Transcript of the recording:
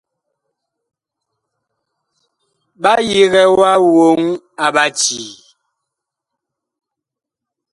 Ɓa yigɛ ma woŋ a Ɓacii.